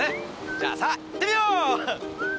じゃあさあ行ってみよう！